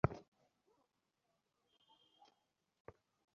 চট করে না বলে দিও না।